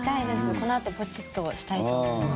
このあとポチッとしたいと思います。